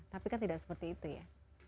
tapi kan tidak seperti itu ya